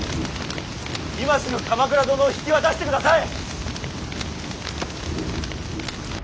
今すぐ鎌倉殿を引き渡してください！